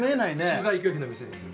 取材拒否の店です。